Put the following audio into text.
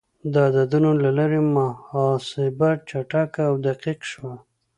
د عددونو له لارې محاسبه چټکه او دقیق شوه.